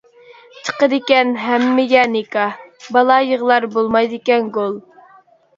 چىقىدىكەن ھەممىگە نىكاھ، بالا يىغلار، بولمايدىكەن گول.